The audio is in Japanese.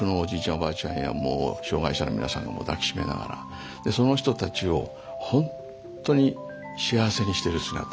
おばあちゃんや障がい者の皆さんが抱きしめながらその人たちをほんとに幸せにしてる姿。